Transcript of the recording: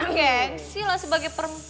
gengsi lah sebagai permintaan